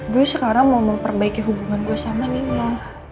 gue sekarang mau memperbaiki hubungan gue sama nino